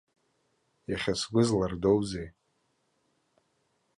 Иахьа сгәы злардоузеи?